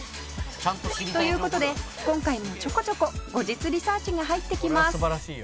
「という事で今回もちょこちょこ後日リサーチが入ってきます」